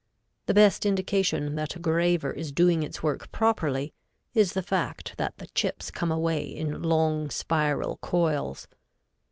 The best indication that a graver is doing its work properly, is the fact that the chips come away in long spiral coils.